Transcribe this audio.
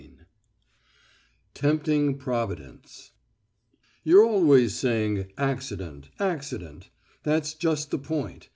XIV TEMPTING PROVIDENCE You're always saying "accident, accident...." That's just the point.